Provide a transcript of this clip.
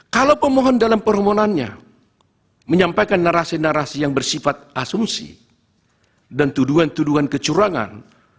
kalau pemohon dalam permohonannya menyampaikan narasi narasi yang bersifat asumsi dan tuduhan tuduhan kecurangan